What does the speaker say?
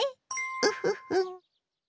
ウフフ。